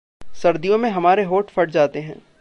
सर्दियों में हमारे होठ फट जातें हैं।